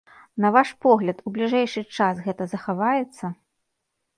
На ваш погляд, у бліжэйшы час гэта захаваецца?